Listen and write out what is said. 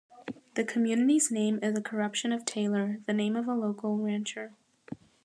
The community's name is a corruption of Taylor, the name of a local rancher.